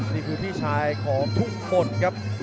นี่คือพี่ชายของทุกคนครับ